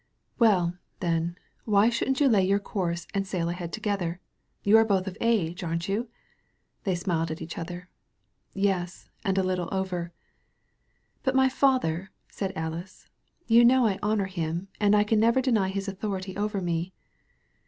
] Well, then» why shouldn't you lay your course and sail ahead together? You are both of age, aren't you?" lliey smiled at each other. *'Yes, and a little over. "But my father!" said Alice. "You know I honor him, and I can never deny his authority over me.